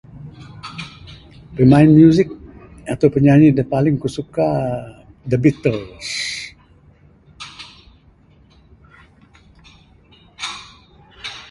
Pimain music ato pun pimain da ku suka The Beatles